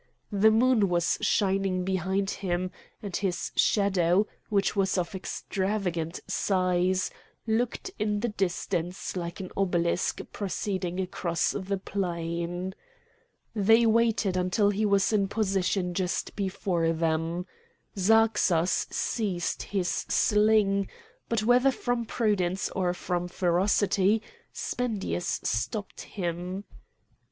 The moon was shining behind him, and his shadow, which was of extravagant size, looked in the distance like an obelisk proceeding across the plain. They waited until he was in position just before them. Zarxas seized his sling, but whether from prudence or from ferocity Spendius stopped him.